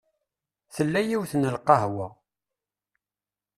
Tella yiwet n lqahwa.